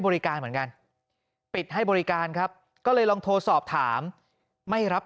บริการเหมือนกันปิดให้บริการครับก็เลยลองโทรสอบถามไม่รับ